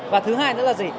và thứ hai nữa là gì